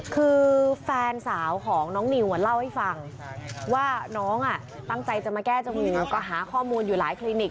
คือแฟนสาวของน้องนิวเล่าให้ฟังว่าน้องตั้งใจจะมาแก้จมูกก็หาข้อมูลอยู่หลายคลินิก